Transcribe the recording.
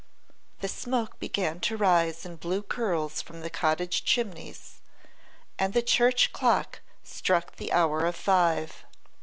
The smoke began to rise in blue curls from the cottage chimneys, and the church clock struck the hour of five.